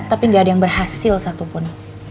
tapi gak ada yang berhasil satupun